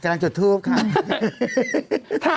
มันเหมือนอ่ะ